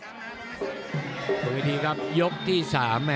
คุณผู้พิธีครับยกที่สาม